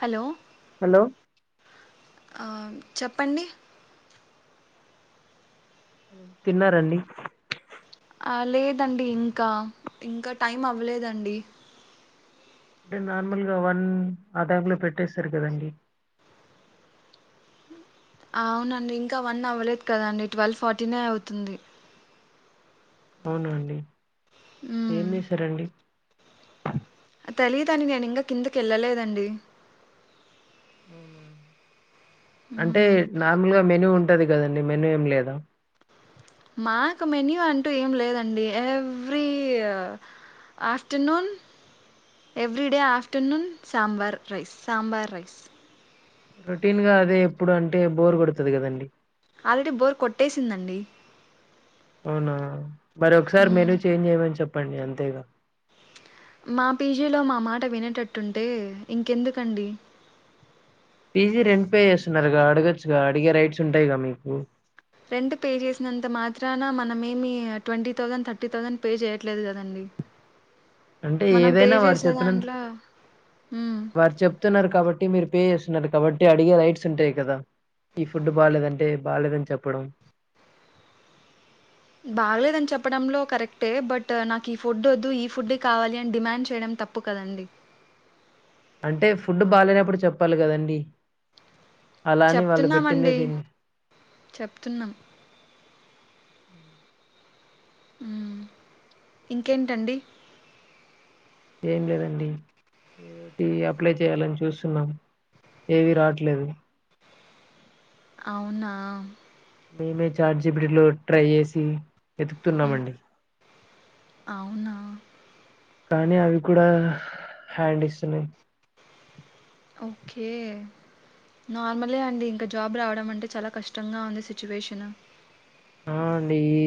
Hello hello ఆ చెప్పండి హ్మ్ తిన్నారండి ఆ లేదండి ఇంకా ఇంకా టైం అవ్వలేదండి అంటే నార్మల్గా వన్ ఆ టైం లో పెట్టేస్తారు కదండి అవునండి ఇంకా వన్ అవ్వలేదు కదండి ట్వెల్వ్ ఫార్టీనే అవుతుంది అవునా అండి ఏం ఉమ్ జేసారండి తెలీదండి నేన్ ఇంగా కిందకి ఎల్లలేదండి అవునా అంటే ఉమ్ నార్మల్ గా మెనూ ఉన్ టది కదండి మెను ఏం లేదా మాక్ మెన్యూ అంటూ ఏం లేదండి ఎవీ afternoon every day afternoon sambar rice sambar rice routine గా అదే ఎప్పుడు అంటే బోర్ కొడుతది కదండి ఆల్రెడి బోర్ కొట్టేసిందండి అవునా మరి ఒకసారి మ్మ్. మెను చేంజ్ చేయమని చెప్పండి అంతేగా మా పీజీలో మా మాట వినేటట్టుంటే ఇంకెందుకండి పీజీ రెంట్ పే చేస్తున్నారుగా అడగొచ్చుగా అడిగే రైట్స్ ఉంటాయిగా మీకు రెంట్ పే చేసినంత మాత్రాన మనంమేమి twenty thousand thirty thousand pay చేయ్యట్లేదు కదండి అంటే మనం పే ఏదైనా వార్ చేసే చెప్పినంత దాంట్లో మ్మ్ వార్ చెప్తున్నారు కాబట్టి మీరు పే చేస్తున్నారు కాబట్టి అడిగే రైట్స్ ఉంటాయి కదా ఈ ఫుడు బాలేదంటే బాలేదని చెప్పడం బాలేదని చెప్పడంలో కరెక్టే బట్ నాకు ఈ ఫుడ్ ఒద్దు ఈ ఫుడే కావాలి అని డిమాండ్ చేయడం తప్పుకదండి అంటే ఫుడ్ బాలేనప్పుడు చెప్పాలికదండి అలా అని వాళ్ళు పెట్టిందే చెప్తున్నామండి దీన్ చెప్తున్నాం ఉమ్ ఇంకేంటండి ఏం లేదండి టివి అప్లై చేయాలని చూస్తున్నాం ఏవి రాట్లేదు అవునా మేమే చార్ట్ జీపీటీలో ట్రై చేసి మ్మ్ ఎతుకుతున్నామండి అవునా కానీ అవి కూడా హ్యాండ్ ఇస్తున్నాయి ఓకే నార్మలే అండి ఇంక జాబ్ రావడం అంటే చాలా కష్టంగా ఉంది సిచ్యువేషన్ ఆ అండి ఈ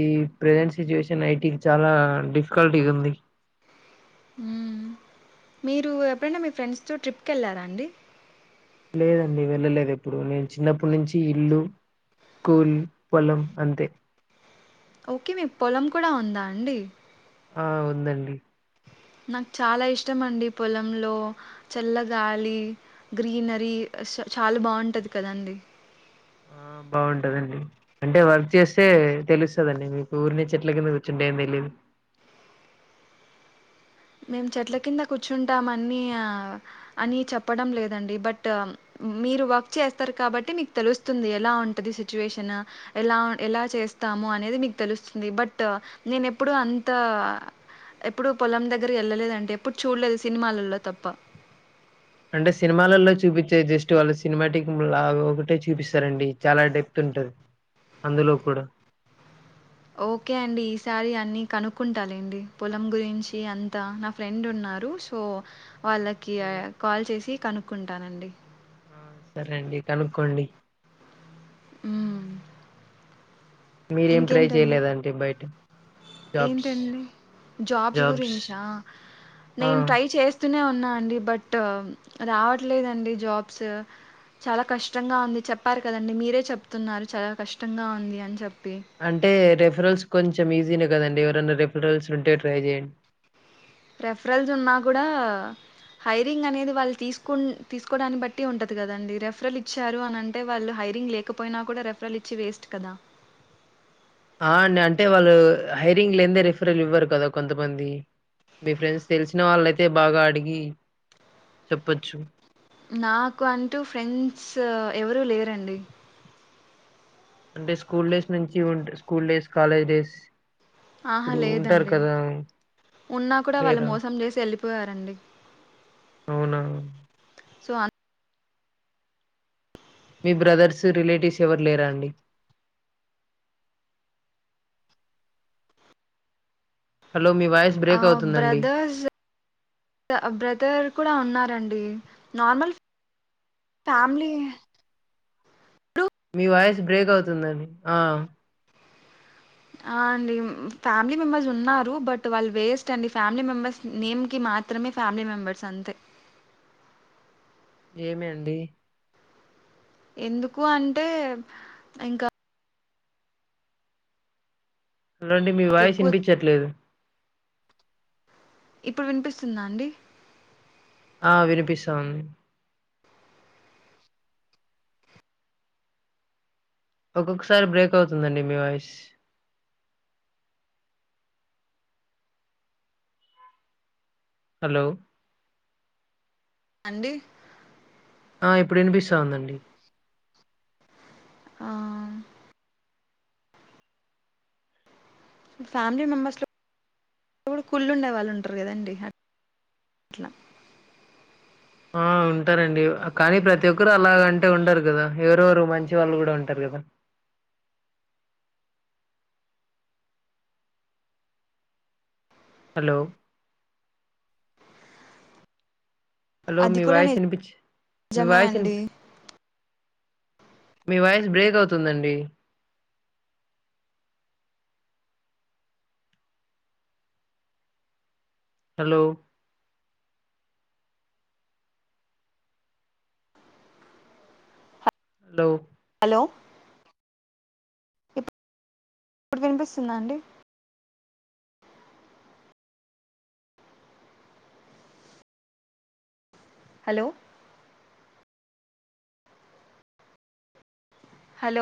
ప్రెసెంట్ సిచ్యువేషన్ ఐటికి చాలా డిఫికల్టీగుంది ఉమ్ మీరు ఎప్పుడైనా మీ ఫ్రెండ్స్ తో ట్రిప్కెళ్ళారా అండి లేదండి వెళ్ళలేదెప్పుడు నేను చిన్నప్పటి నుంచి ఇల్లు స్కూల్ పొల్లం అంతే ఒకే మీక్ పొలం కూడా ఉందా అండి ఆ ఉందండి నాక్ చాలా ఇష్టం అండి పొలంలో చల్లగాలి గ్రీనరీ చాలా బాగుంటది కదాండి ఆ బాగుంటదండి అంటే వర్క్ చేస్తే తెలుస్తదండి మీకు ఉర్నే చెట్ల కింద కూర్చుంటే ఏం తెలిదు మేము చెట్ల కింద కూర్చుంటాం అన్ని అనీ చెప్పడం లేదండి బట్ మీరు వర్క్ చేస్తారు కాబట్టి మీకు తెలుస్తుంది ఎలా ఉంటది సిచ్యువేషన్ ఎలా ఎల చే స్తాము అనేది మీకు తెలుస్తుంది బట్ నేను ఎప్పుడు అంత ఎప్పుడు పొలం దగ్గ ఏళ్ళలేదంటే ఎప్పుడు చూడలేదు సినిమాలలో తప్ప అంటే సినిమాలలో చూపించే జస్ట్ వాళ్ళు సినిమాటిక్ లాగ ఒకటే చూపిస్తారండి చాలా డెప్త్ ఉంటది అందులో కూడా ఓకే అండి ఈసారి అన్ని కనుక్కుంటాలెండి పొలం గురించి అంతా నా ఫ్రెండున్నా రు సో వాళ్ళకి ఆ హ్మ్. కాల్ చేసి కనుక్కుంటానండి ఉమ్ సరే అండి కనుక్కోండి ఉమ్ మీరేం ట్రై చేయలేదంటి బయట జాబ్స్ ఏంటండి జాబ్స్ గురించా ఆ నేను ట్రై చేస్ స్తున్న ఉన్నా అండి బట్ రావట్లేదండి జాబ్స్ చాలా కష్టంగా ఉంది చెప్పారు కదండి మీరే చెప్తున్నారు చాలా కష్టంగా ఉంది అని చెప్ అంటే రిఫరెల్స్ కొంచెం ఈజీనే కదండి ఎవరైనా రిఫరల్స్ ఉంటే ట్రై చేయం రిఫరల్స్ ఉన్నా కూడా హైరింగ్ అనేది వాళ్ళు తీసుకున్ తీసుకోడాన్ని బట్టి ఉంటది కదండి రెఫరల్ ఇచ్చారు అని అంటే వాళ్ళు హ హైరింగ్ లేకపోయినా కూడా రెఫరల్ ఇచ్చి వేస్ట్ కదా అ అండి అంటే వాళ్ళు హైరింగ్ లేందే రిఫరల్ ఇవ్వారు కదా కొంతమంది మీ ఫ్రెండ్స్ తెలిసిన వాళ్ళయితే బాగా అడిగి చెప్పచ్చు నాకు అంటూ ఫ్రెండ్స్ ఎవరూ లేరండి అంటే స్కూల్ డేస్ నుంచి ఉంట్ స్కూల్ డేస్ కాలేజ్ డేస్ ఆహా ఇప్పుడు ఉంటారు లేదండి కదా ఉన్నా కూడా వాళ్ళు లేరా మోసం చేసి ఎళ్ళిపోయారండి ఉ సో అన్ మీ బ్రదర్స్ రిలేటివ్స్ ఎవరు లేరా అండి హలో మీ వాయిస్ ఆ బ్రేక్ అవుతుందండి బ్రదర్స్ అ బ్రదర్ కూడా ఉన్నారండి నార్మల్ ఫ్యామిలీ మీ వాయిస్ బ్రేక్ అవుతుందండి ఆ ఆ అండి ఫ్యామిలీ మెంబెర్స్ ఉన్నారు బట్ వాళ్ళు వేస్ట్ అండి ఫ్యామిలీ మెంబెర్స్ నేమ్ కి మా మాత్రమే ఫ్యామిలీ మెంబర్స్ అంతే ఏమి అండి ఎందుకు అంటే ఇంకా హలో అండి మీ వాయిస్ ఎక్కువ వినిపించట్లేదు ఇప్పుడు వినిపిస్తుందా అండి ఆ వినిపిస్తుంది ఒక్కొక్కసారి బ్రేక్ అవుతుందండి మీ వాయిస్ హలో అండి ఆ ఇప్పుడు వినిపిస్తా ఉందండి ఆ ఫ్యామిలీ మెంబర్స్ లో కూడ కుళ్ళుండేవాళ్ళు ఉంటరు కదండి అ అట్లా ఆ ఉంటారండి కానీ ప్రతి ఒక్కరు అలాగా అంటే ఉండరు కదా ఎవరో ఓరు మంచి వాళ్ళు కూడా ఉంటారు ద హలో హలో అది మీ కూడా వాయిస్ వినిపిచ్ మీ నిజమే వాయిస్ విన్ అండి మీ వాయిస్ బ్రేక్ అవుతుందండి హలో హలో హలో ఇప్ ఇప్పుడు వినిపిస్తుందా అండి హలో హలో